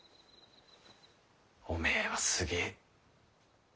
おめぇはすげぇ。